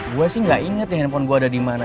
gue sih gak inget ya hp gue ada dimana